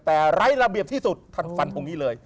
แต่ไร้ระเบียบที่สุดท่านฟันตรงนี้เลย